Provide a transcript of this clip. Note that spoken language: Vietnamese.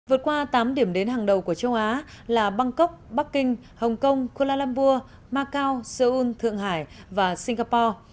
vượt qua tám điểm đến hàng đầu của châu á là bangkok bắc kinh hồng kông kuala lumburg macau seoul thượng hải và singapore